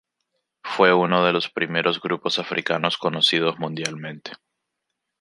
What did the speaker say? Fue uno de los primeros grupos africanos conocidos mundialmente.